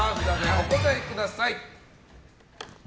お答えください。